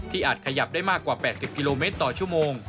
อาจขยับได้มากกว่า๘๐กิโลเมตรต่อชั่วโมง